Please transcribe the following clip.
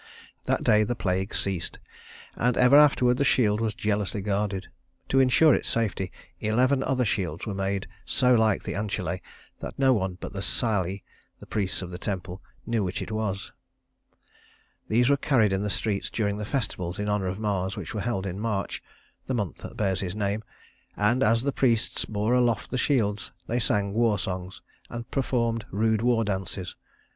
That day the plague ceased, and ever afterward the shield was jealously guarded. To insure its safety, eleven other shields were made so like the Ancile that no one but the Salii, the priests of the temple, knew which it was. These were carried in the streets during the festivals in honor of Mars which were held in March the month that bears his name; and as the priests bore aloft the shields they sang war songs and performed rude war dances.